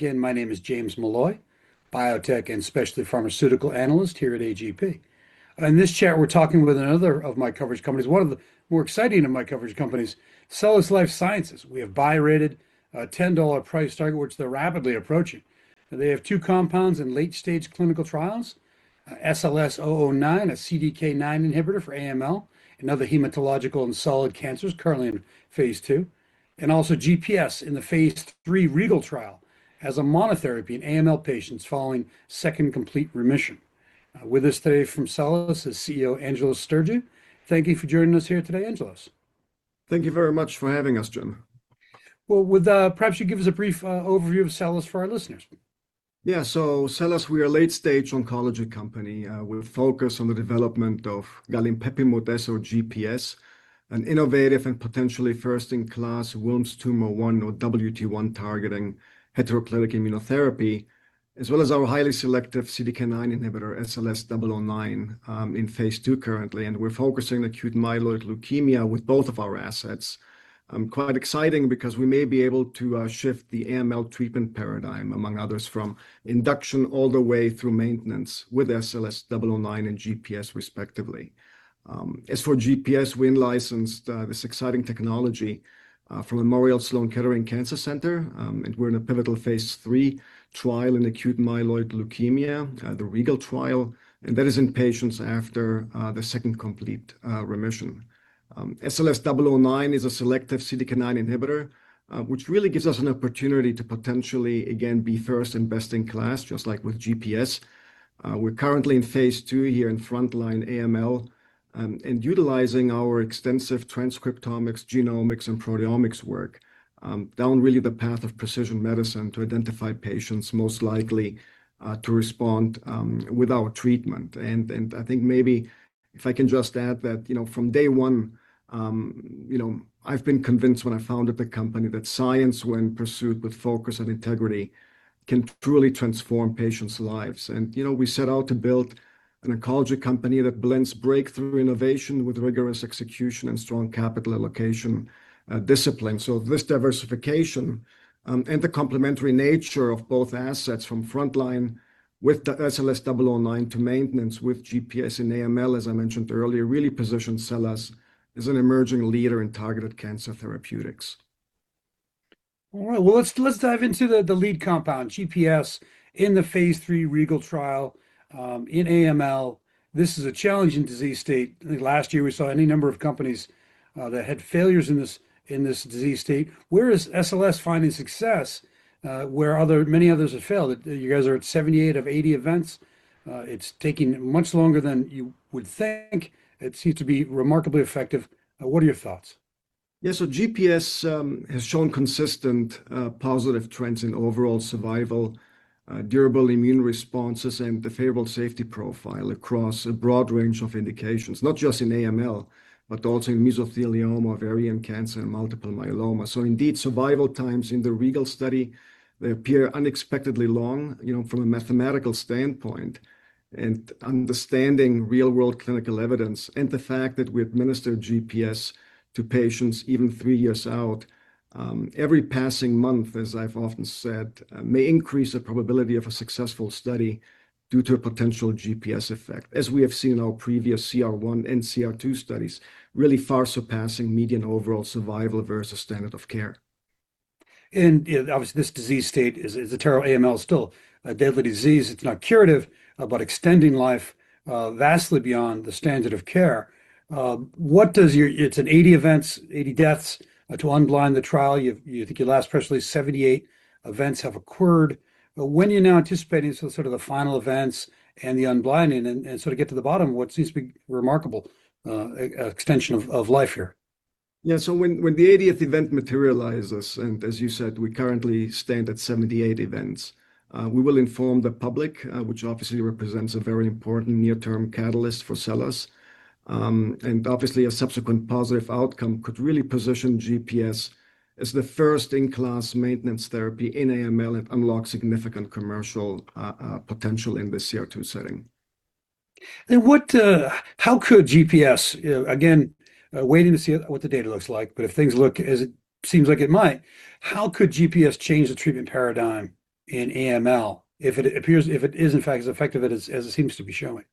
Again, my name is James Molloy, biotech and specialty pharmaceutical analyst here at AGP. In this chat, we're talking with another of my coverage companies, one of the more exciting of my coverage companies, SELLAS Life Sciences. We have buy rated a $10 price target, which they're rapidly approaching. They have two compounds in late-stage clinical trials, SLS-009, a CDK9 inhibitor for AML and other hematological and solid cancers currently in phase II, and also GPS in the phase III REGAL trial as a monotherapy in AML patients following second complete remission. With us today from SELLAS is CEO Angelos Stergiou. Thank you for joining us here today, Angelos. Thank you very much for having us, Jim. Well, would perhaps you give us a brief overview of SELLAS for our listeners? SELLAS, we are a late-stage oncology company with a focus on the development of galinpepimut-S or GPS, an innovative and potentially first-in-class Wilms' Tumor 1 or WT1 targeting heteroclitic immunotherapy, as well as our highly selective CDK9 inhibitor, SLS009, in phase II currently. We're focusing on acute myeloid leukemia with both of our assets. Quite exciting because we may be able to shift the AML treatment paradigm, among others, from induction all the way through maintenance with SLS009 and GPS respectively. As for GPS, we licensed this exciting technology from Memorial Sloan Kettering Cancer Center, and we're in a pivotal phase III trial in acute myeloid leukemia, the REGAL trial, and that is in patients after the second complete remission. SLS009 is a selective CDK9 inhibitor, which really gives us an opportunity to potentially, again, be first and best in class, just like with GPS. We're currently in phase II here in frontline AML, utilizing our extensive transcriptomics, genomics, and proteomics work down really the path of precision medicine to identify patients most likely to respond with our treatment. I think maybe if I can just add that from day one, I've been convinced when I founded the company that science, when pursued with focus and integrity, can truly transform patients' lives. We set out to build an oncology company that blends breakthrough innovation with rigorous execution and strong capital allocation discipline. This diversification, and the complementary nature of both assets from frontline with the SLS009 to maintenance with GPS in AML, as I mentioned earlier, really positions SELLAS as an emerging leader in targeted cancer therapeutics. All right. Well, let's dive into the lead compound, GPS, in the phase III REGAL trial, in AML. This is a challenging disease state. I think last year we saw any number of companies that had failures in this disease state. Where is SLS finding success where many others have failed? You guys are at 78 of 80 events. It's taking much longer than you would think. It seems to be remarkably effective. What are your thoughts? Yeah. GPS has shown consistent positive trends in overall survival, durable immune responses, and the favorable safety profile across a broad range of indications, not just in AML, but also in mesothelioma, ovarian cancer, and multiple myeloma. Indeed, survival times in the REGAL study appear unexpectedly long, from a mathematical standpoint and understanding real-world clinical evidence and the fact that we administer GPS to patients even three years out. Every passing month, as I've often said, may increase the probability of a successful study due to a potential GPS effect, as we have seen in our previous CR1 and CR2 studies, really far surpassing median overall survival versus standard of care. Obviously, this disease state is a terrible, AML is still a deadly disease. It's not curative, but extending life vastly beyond the standard of care. It's an 80 events, 80 deaths to unblind the trial. Presently 78 events have occurred. When are you now anticipating sort of the final events and the unblinding and sort of get to the bottom of what seems to be remarkable extension of life here? Yeah. When the 80th event materializes, and as you said, we currently stand at 78 events, we will inform the public, which obviously represents a very important near-term catalyst for SELLAS. Obviously a subsequent positive outcome could really position GPS as the first-in-class maintenance therapy in AML and unlock significant commercial potential in the CR2 setting. How could GPS, again, waiting to see what the data looks like, but if things look as it seems like it might, how could GPS change the treatment paradigm in AML if it is, in fact, as effective as it seems to be showing?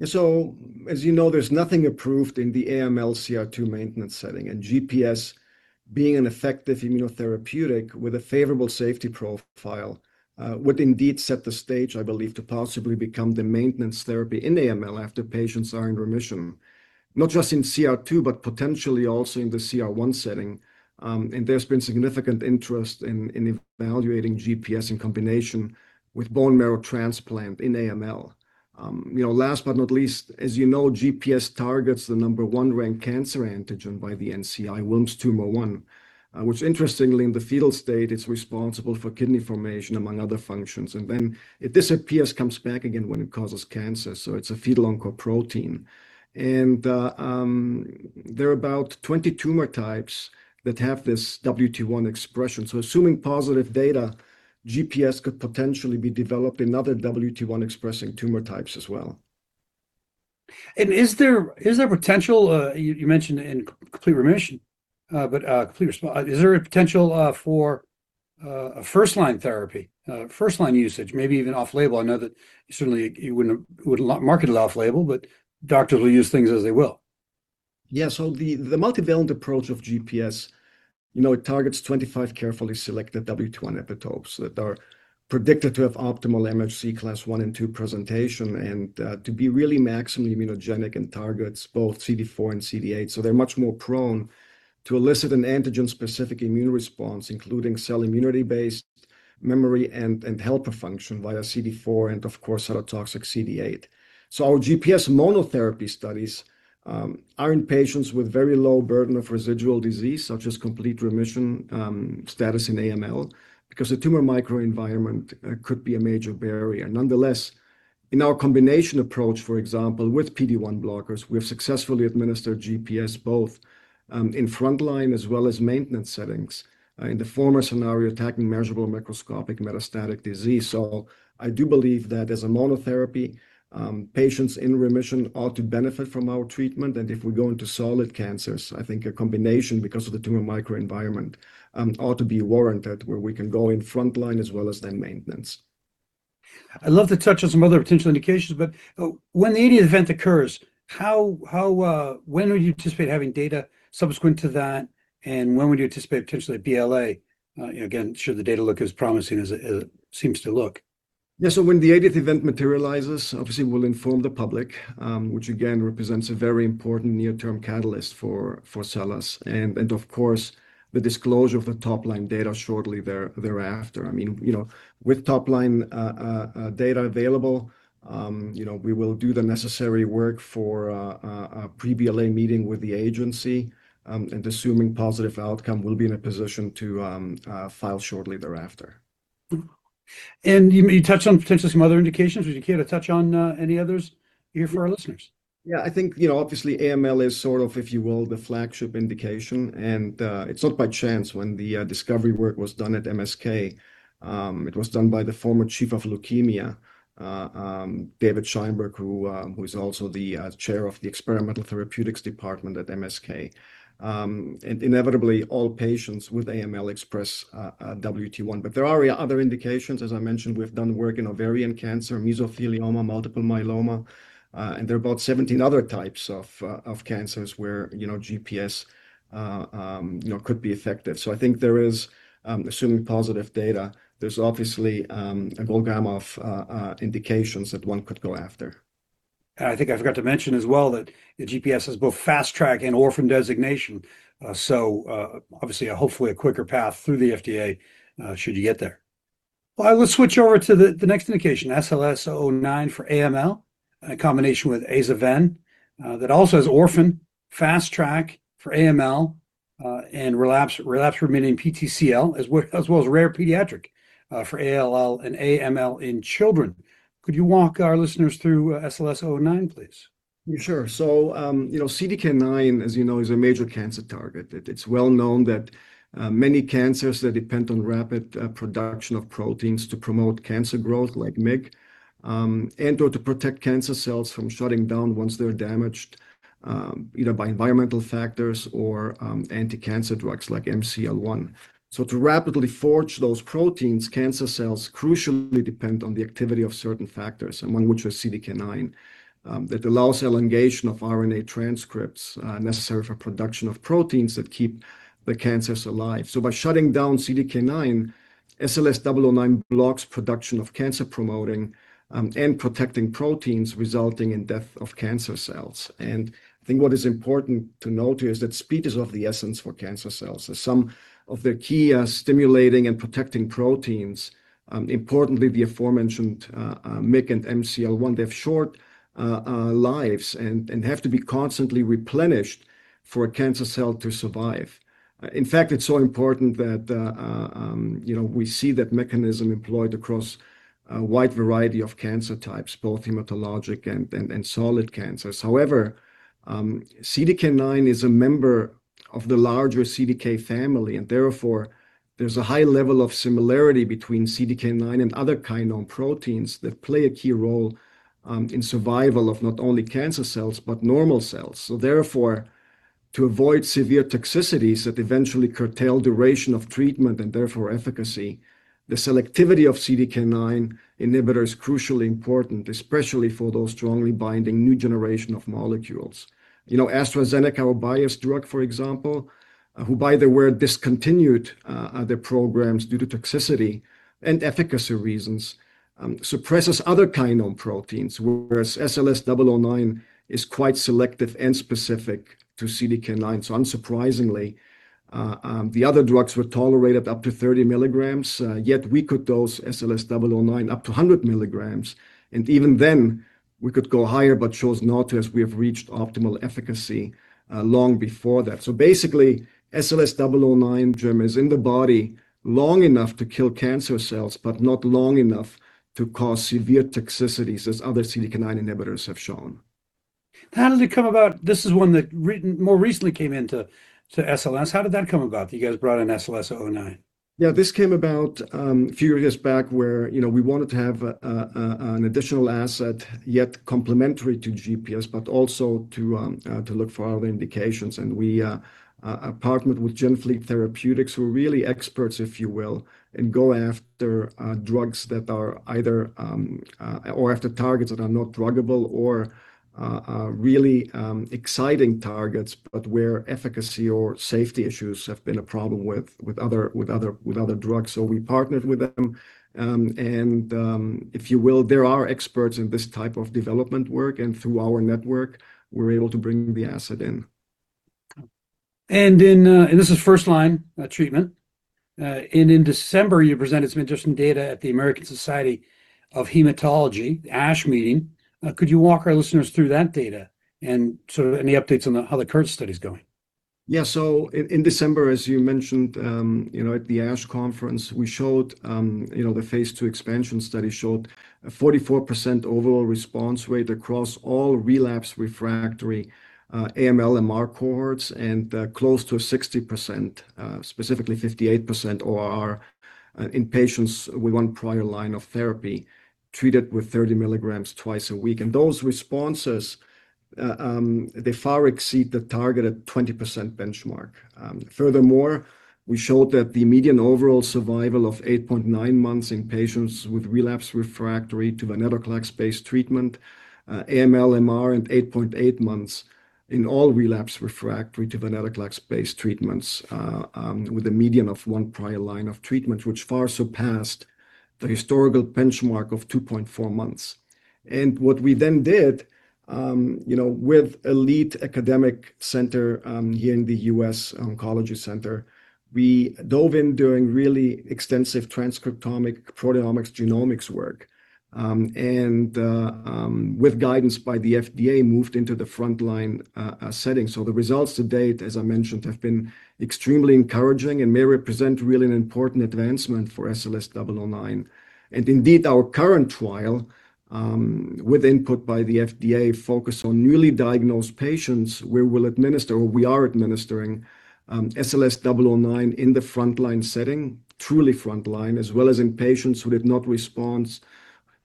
As you know, there's nothing approved in the AML CR2 maintenance setting, and GPS being an effective immunotherapeutic with a favorable safety profile would indeed set the stage, I believe, to possibly become the maintenance therapy in AML after patients are in remission, not just in CR2, but potentially also in the CR1 setting. There's been significant interest in evaluating GPS in combination with bone marrow transplant in AML. Last but not least, as you know, GPS targets the number one ranked cancer antigen by the NCI, Wilms' Tumor 1, which interestingly in the fetal state is responsible for kidney formation, among other functions. Then it disappears, comes back again when it causes cancer. It's a fetal oncoprotein. There are about 20 tumor types that have this WT1 expression. Assuming positive data, GPS could potentially be developed in other WT1-expressing tumor types as well. Is there potential, you mentioned in complete remission, but complete response, is there a potential for a first-line therapy, first-line usage, maybe even off-label? I know that certainly you wouldn't market it off-label, but doctors will use things as they will. Yeah. The multivalent approach of GPS targets 25 carefully selected WT1 epitopes that are predicted to have optimal MHC class I and II presentation and to be really maximally immunogenic and targets both CD4 and CD8. They're much more prone to elicit an antigen-specific immune response, including cell immunity-based memory and helper function via CD4 and, of course, cytotoxic CD8. Our GPS monotherapy studies are in patients with very low burden of residual disease, such as complete remission status in AML, because the tumor microenvironment could be a major barrier. Nonetheless, in our combination approach, for example, with PD-1 blockers, we have successfully administered GPS both in frontline as well as maintenance settings. In the former scenario, attacking measurable microscopic metastatic disease. I do believe that as a monotherapy, patients in remission ought to benefit from our treatment. If we go into solid cancers, I think a combination, because of the tumor microenvironment, ought to be warranted, where we can go in frontline as well as then maintenance. I'd love to touch on some other potential indications, but when the 80th event occurs, when would you anticipate having data subsequent to that, and when would you anticipate potentially a BLA? Again, should the data look as promising as it seems to look. When the 80th event materializes, obviously we'll inform the public, which again represents a very important near-term catalyst for SELLAS and, of course, the disclosure of the top-line data shortly thereafter. With top-line data available, we will do the necessary work for a pre-BLA meeting with the agency, and assuming positive outcome, we'll be in a position to file shortly thereafter. Good. You touched on potentially some other indications. Would you care to touch on any others here for our listeners? I think, obviously AML is sort of, if you will, the flagship indication, and it's not by chance when the discovery work was done at Memorial Sloan Kettering Cancer Center. It was done by the former chief of leukemia, David Scheinberg, who is also the Chair of the Center for Experimental Therapeutics at Memorial Sloan Kettering Cancer Center. Inevitably all patients with AML express WT1. There are other indications, as I mentioned, we've done work in ovarian cancer, mesothelioma, multiple myeloma, and there are about 17 other types of cancers where galinpepimut-S could be effective. I think there is, assuming positive data, there's obviously a whole gamut of indications that one could go after. I think I forgot to mention as well that GPS has both Fast Track and Orphan designation. Obviously hopefully a quicker path through the FDA should you get there. Let's switch over to the next indication, SLS009 for AML in combination with aza/ven, that also has Orphan, Fast Track for AML, and relapse remaining PTCL, as well as rare pediatric for ALL and AML in children. Could you walk our listeners through SLS009, please? Sure. CDK9, as you know, is a major cancer target. It's well-known that many cancers that depend on rapid production of proteins to promote cancer growth, like MYC, and/or to protect cancer cells from shutting down once they're damaged by environmental factors or anti-cancer drugs like MCL1. To rapidly forge those proteins, cancer cells crucially depend on the activity of certain factors, and one which is CDK9, that allows elongation of RNA transcripts necessary for production of proteins that keep the cancers alive. By shutting down CDK9, SLS009 blocks production of cancer-promoting and protecting proteins, resulting in death of cancer cells. I think what is important to note here is that speed is of the essence for cancer cells, as some of the key stimulating and protecting proteins, importantly the aforementioned MYC and MCL1, they have short lives and have to be constantly replenished for a cancer cell to survive. In fact, it's so important that we see that mechanism employed across a wide variety of cancer types, both hematologic and solid cancers. CDK9 is a member of the larger CDK family, and therefore there's a high level of similarity between CDK9 and other kinase proteins that play a key role in survival of not only cancer cells, but normal cells. Therefore, to avoid severe toxicities that eventually curtail duration of treatment and therefore efficacy, the selectivity of CDK9 inhibitor is crucially important, especially for those strongly binding new generation of molecules. AstraZeneca, or Bayerdrug, for example, who by the word discontinued their programs due to toxicity and efficacy reasons, suppresses other kinase proteins, whereas SLS-009 is quite selective and specific to CDK9. Unsurprisingly, the other drugs were tolerated up to 30 milligrams, yet we could dose SLS-009 up to 100 milligrams, and even then we could go higher, but chose not to, as we have reached optimal efficacy long before that. Basically, SLS-009, Jim, is in the body long enough to kill cancer cells, but not long enough to cause severe toxicities as other CDK9 inhibitors have shown. How did it come about? This is one that more recently came into SLS. How did that come about, you guys brought in SLS009? Yeah, this came about a few years back where we wanted to have an additional asset, yet complementary to GPS, but also to look for other indications. We partnered with GenFleet Therapeutics, who are really experts, if you will, in going after drugs that are after targets that are not druggable or are really exciting targets, but where efficacy or safety issues have been a problem with other drugs. We partnered with them. If you will, they are experts in this type of development work, and through our network, we're able to bring the asset in. This is first-line treatment. In December, you presented some interesting data at the American Society of Hematology, the ASH meeting. Could you walk our listeners through that data, and sort of any updates on how the current study's going? Yeah. In December, as you mentioned, at the ASH conference, the phase II expansion study showed a 44% overall response rate across all relapsed/refractory AML-MR cohorts and close to 60%, specifically 58% OR in patients with one prior line of therapy treated with 30 mg twice a week. Those responses, they far exceed the targeted 20% benchmark. Furthermore, we showed that the median overall survival of 8.9 months in patients with relapsed/refractory to venetoclax-based treatment, AML-MR and 8.8 months in all relapsed/refractory to venetoclax-based treatments with a median of 1 prior line of treatment, which far surpassed the historical benchmark of 2.4 months. What we then did with elite academic center here in the U.S. Oncology Center, we dove in doing really extensive transcriptomic, proteomics, genomics work. With guidance by the FDA, moved into the frontline setting. The results to date, as I mentioned, have been extremely encouraging and may represent really an important advancement for SLS-009. Indeed, our current trial, with input by the FDA, focus on newly diagnosed patients where we'll administer, or we are administering SLS-009 in the frontline setting, truly frontline, as well as in patients who did not respond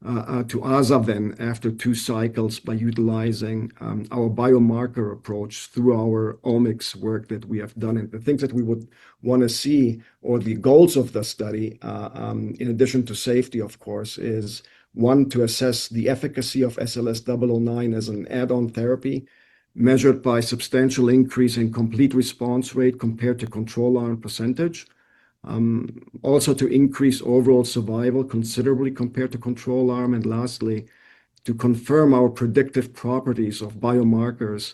to aza/ven after two cycles by utilizing our biomarker approach through our omics work that we have done. The things that we would want to see or the goals of the study, in addition to safety, of course, is, one, to assess the efficacy of SLS-009 as an add-on therapy measured by substantial increase in complete response rate compared to control arm percentage. Also to increase overall survival considerably compared to control arm. Lastly, to confirm our predictive properties of biomarkers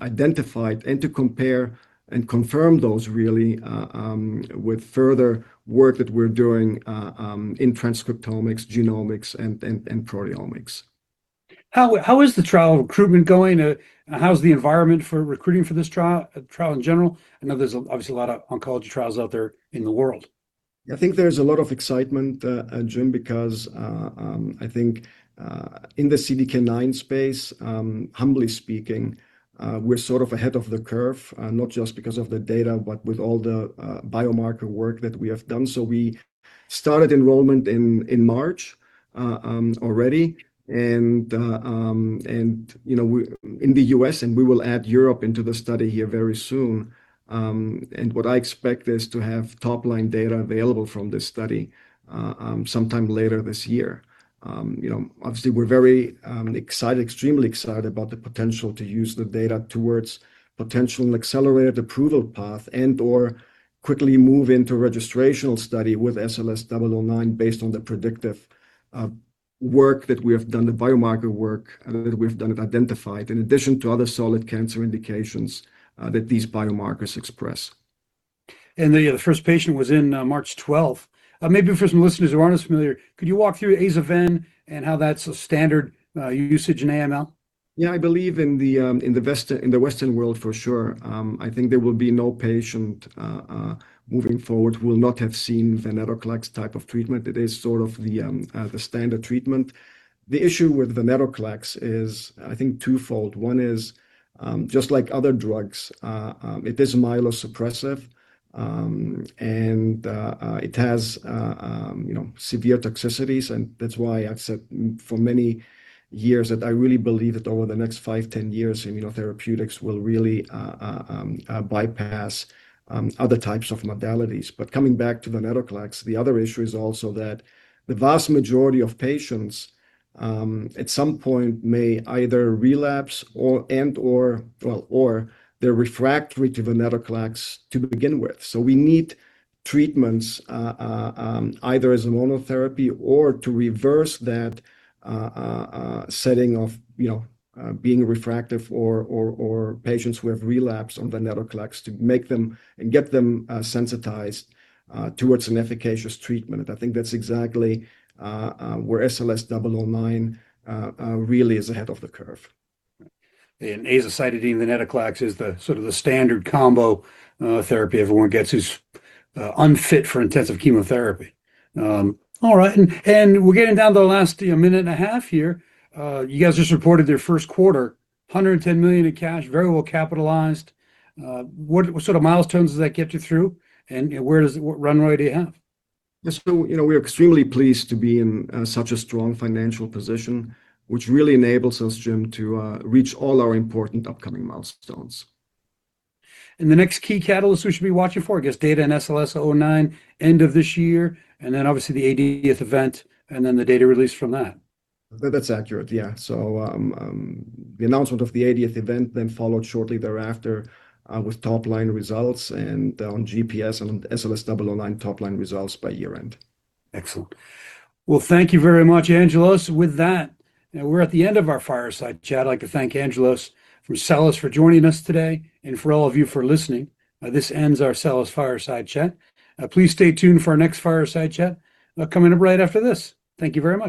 identified and to compare and confirm those really with further work that we're doing in transcriptomics, genomics, and proteomics. How is the trial recruitment going? How's the environment for recruiting for this trial in general? I know there's obviously a lot of oncology trials out there in the world. I think there's a lot of excitement, Jim, because I think in the CDK9 space, humbly speaking, we're sort of ahead of the curve, not just because of the data, but with all the biomarker work that we have done. We started enrollment in March already in the U.S., and we will add Europe into the study here very soon. What I expect is to have top-line data available from this study sometime later this year. Obviously, we're very extremely excited about the potential to use the data towards potential accelerated approval path and/or quickly move into registrational study with SLS009 based on the predictive work that we have done, the biomarker work that we've done and identified, in addition to other solid cancer indications that these biomarkers express. The first patient was in March 12th. Maybe for some listeners who aren't as familiar, could you walk through aza/ven and how that's a standard usage in AML? Yeah, I believe in the Western world for sure, I think there will be no patient moving forward will not have seen venetoclax type of treatment. It is sort of the standard treatment. The issue with venetoclax is, I think, twofold. One is just like other drugs, it is myelosuppressive, and it has severe toxicities, and that's why I've said for many years that I really believe that over the next five, 10 years, immunotherapeutics will really bypass other types of modalities. Coming back to venetoclax, the other issue is also that the vast majority of patients, at some point, may either relapse and/or, well, or they're refractory to venetoclax to begin with. We need treatments either as a monotherapy or to reverse that setting of being refractory or patients who have relapsed on venetoclax to make them and get them sensitized towards an efficacious treatment. I think that's exactly where SLS009 really is ahead of the curve. azacitidine, venetoclax is the sort of the standard combo therapy everyone gets who's unfit for intensive chemotherapy. All right. We're getting down to the last minute and a half here. You guys just reported your first quarter, $110 million in cash, very well capitalized. What sort of milestones does that get you through, and what run rate do you have? Yeah, we are extremely pleased to be in such a strong financial position, which really enables us, Jim, to reach all our important upcoming milestones. The next key catalyst we should be watching for, I guess, data in SLS009 end of this year, and then obviously the 80th event, and then the data release from that. That's accurate, yeah. The announcement of the 80th event, then followed shortly thereafter with top-line results and on galinpepimut-S and SLS009 top-line results by year-end. Excellent. Well, thank you very much, Angelos. With that, we're at the end of our Fireside Chat. I'd like to thank Angelos from SELLAS for joining us today and for all of you for listening. This ends our SELLAS Fireside Chat. Please stay tuned for our next Fireside Chat coming up right after this. Thank you very much.